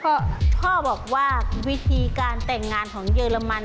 พ่อพ่อบอกว่าวิธีการแต่งงานของเยอรมัน